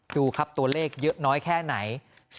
ดูครับตัวเลขเยอะน้อยแค่ไหน